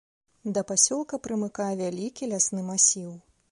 Да пасёлка прымыкае вялікі лясны масіў.